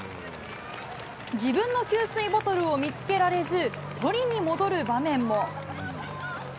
自分の給水ボトルを見つけられず、取りに戻る場面も。